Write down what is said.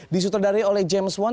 di sutradari oleh james wan